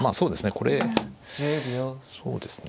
これそうですね。